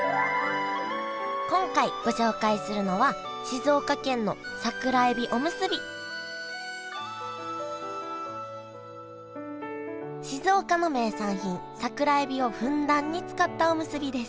今回ご紹介するのは静岡の名産品桜えびをふんだんに使ったおむすびです。